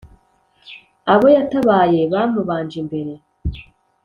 abo yatabaye bamubanje imbere.